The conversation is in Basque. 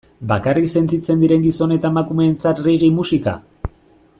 Bakarrik sentitzen diren gizon eta emakumeentzat reggae musika?